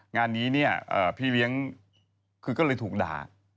งานนี้เนี่ยพี่เลี้ยงคือก็เลยถูกด่า